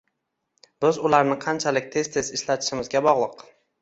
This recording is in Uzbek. biz ularni qanchalik tez-tez ishlatishimizga bog’liq.